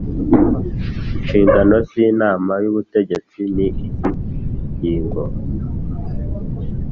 Inshingano z inama y ubutegetsi ni izi ngingo